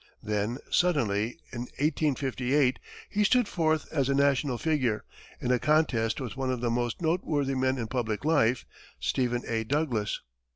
Then, suddenly, in 1858, he stood forth as a national figure, in a contest with one of the most noteworthy men in public life, Stephen A. Douglas.